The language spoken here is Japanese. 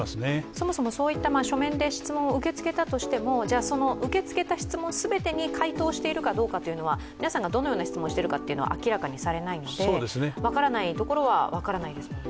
そもそもそういった書面で質問を受け付けたとしてもその受け付けた質問全てに回答しているかどうかは皆さんがどのような質問をしているのか、明らかにされないので、分からないところは分からないですよね。